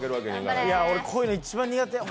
いや、俺こういうの一番苦手や。